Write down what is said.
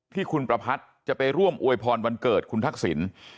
ที่คุณประพัทธ์จะไปร่วมอวยพรวันเกิดคุณทักษิณ